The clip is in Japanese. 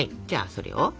じゃあそれを。